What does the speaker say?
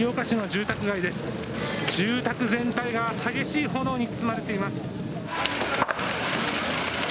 住宅全体が激しい炎に包まれています。